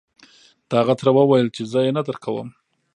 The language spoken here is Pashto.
د هغه تره وويل چې زه يې نه درکوم.